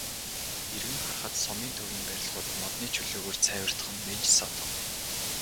Эргэн харахад сумын төвийн барилгууд модны чөлөөгөөр цайвартах нь нэн ч содон.